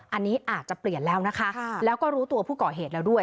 อันนี้อาจจะเปลี่ยนแล้วนะคะแล้วก็รู้ตัวผู้ก่อเหตุแล้วด้วย